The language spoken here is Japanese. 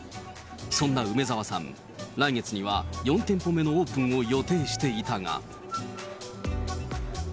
そんな梅澤さん、来月には４店舗目のオープンを予定していたが。